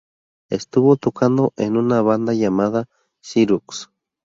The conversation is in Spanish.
Estuvo tocando en una banda llamada "Xerox".